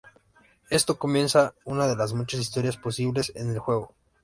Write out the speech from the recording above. Esto comienza una de las muchas historias posibles en el juego.